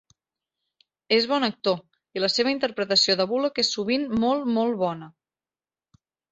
És bon actor, i la seva interpretació de Bullock és sovint molt, molt bona.